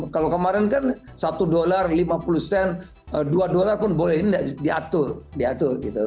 kalau kemarin kan satu dolar lima puluh sen dua dolar pun boleh tidak diatur